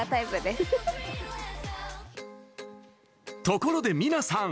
ところでミナさん！